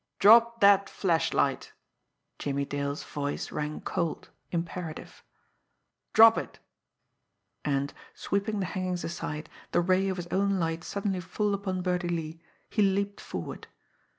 "Drop that flashlight!" Jimmie Dale's voice rang cold, imperative. "Drop it!" And, sweeping the hangings aside, the ray of his own light suddenly full upon Birdie Lee, he leaped forward.